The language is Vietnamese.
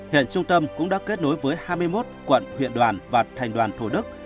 hiện trung tâm cũng đã kết nối với hai mươi một quận huyện đoàn và thành đoàn thủ đức